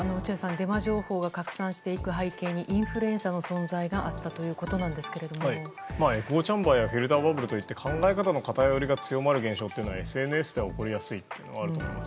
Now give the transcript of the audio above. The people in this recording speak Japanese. デマ情報が拡散していく背景にインフルエンサーの存在がエコーチェンバーやフィルターバブルといって考え方の偏りが強まる現象はＳＮＳで起こりやすいことはあると思います。